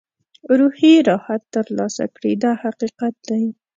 روحي راحت ترلاسه کړي دا حقیقت دی.